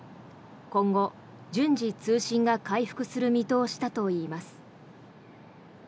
今後順次、通信が回復する見通しだといいます。